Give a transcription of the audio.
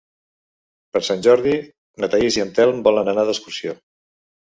Per Sant Jordi na Thaís i en Telm volen anar d'excursió.